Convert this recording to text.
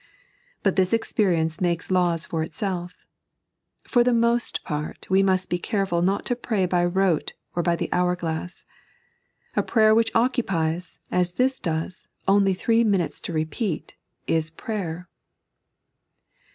But this experience makes laws for itself. For the most part we must be careful not to pray by rote or by the hour glass. A prayer which occupies, as this does, only three minutes to repeat, is prayer.